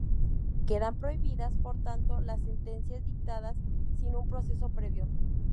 Quedan prohibidas, por tanto, las sentencias dictadas sin un proceso previo.